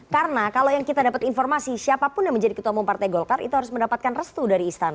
karena kalau yang kita dapat informasi siapapun yang menjadi ketua umum partai golkar itu harus mendapatkan restu dari istana